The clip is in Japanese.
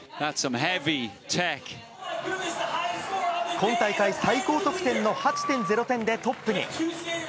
今大会最高得点の８．０点でトップに。